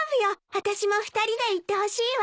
あたしも２人で行ってほしいわ。